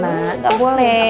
ma gak boleh